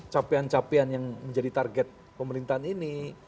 capean capean yang menjadi target pemerintahan ini